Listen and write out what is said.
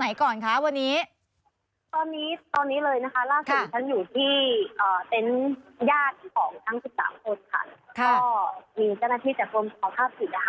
ได้มีการมาพูดคุยแล้วหนึ่งครั้งตอนนั้นเนี่ยญาติจะหนาแน่นกว่านี้ค่ะ